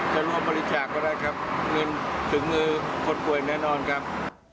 ร่วมบริจาคก็ได้ครับเงินถึงมือคนป่วยแน่นอนครับ